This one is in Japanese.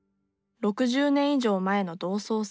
６０年以上前の同窓生。